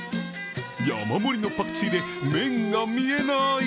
山盛りのパクチーで麺が見えない。